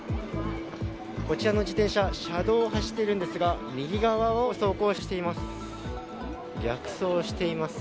こちらの自転車車道を走っているんですが右側を走行しています。